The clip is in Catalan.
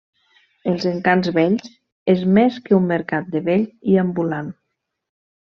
Els Encants Vells és més que un mercat de vell i ambulant.